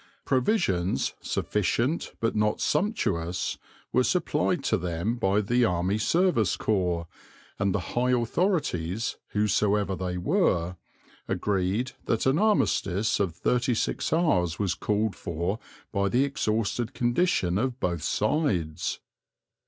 Provisions, sufficient but not sumptuous, were supplied to them by the Army Service Corps, and the high authorities, whosoever they were, agreed that an armistice of thirty six hours was called for by the exhausted condition of both sides.